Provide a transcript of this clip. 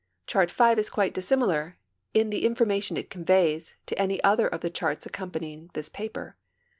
Chart V is quite dissimilar, in the information it conveys, to any other of the charts accompanying this paper.